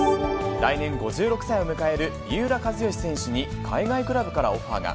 来年、５６歳を迎える三浦知良選手に、海外クラブからオファーが。